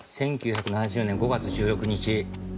１９７０年５月１６日。